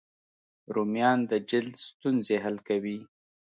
رومیان د جلد ستونزې حل کوي